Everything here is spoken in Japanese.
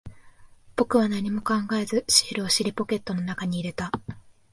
僕は何も考えず、シールを尻ポケットの中に入れた。